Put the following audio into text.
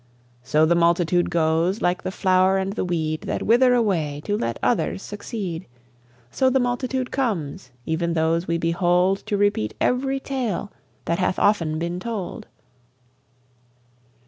So the multitude goes, like the flower and the weed That wither away to let others succeed; So the multitude comes, even those we behold, To repeat every tale that hath often been told.